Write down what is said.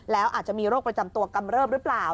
แล้วอาจจะมีโรคประจำตัวกำเริบหรือเปล่า